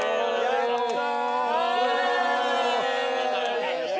やったー！